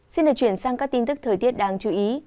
xin được chuyển sang các tin tức thời tiết đáng chú ý